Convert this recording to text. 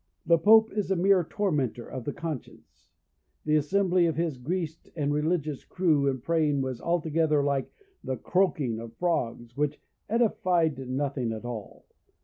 The Pope is a mere tormentor of the conscience. The assembly of his greased and religious crew in praying was altogether like the croaking of frogs, which edified nothing at all.